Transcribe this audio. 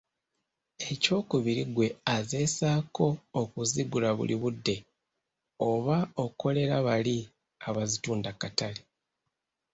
Ekyokubiri ggwe azessaako okuzigula buli budde oba okolera bali abazitunda katale.